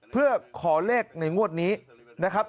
เพื่อขอเลขในงวดนี้นะครับ